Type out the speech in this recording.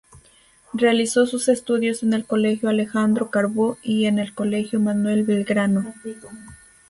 Realizó sus estudios en el Colegio Alejandro Carbó y en el Colegio Manuel Belgrano.